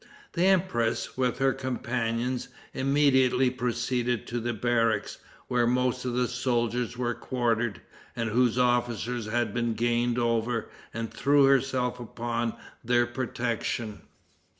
The empress, with her companions, immediately proceeded to the barracks, where most of the soldiers were quartered, and whose officers had been gained over, and threw herself upon their protection.